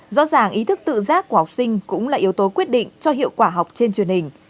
rõ ràng ý thức tự giác của học sinh cũng là yếu tố quyết định cho hiệu quả học trên truyền hình